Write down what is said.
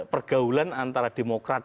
pergaulan antara demokrat